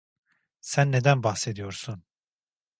Sen neden bahsediyorsun?